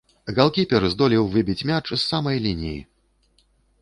Галкіпер здолеў выбіць мяч з самай лініі.